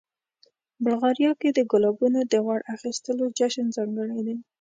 بلغاریا کې د ګلابونو د غوړ اخیستلو جشن ځانګړی دی.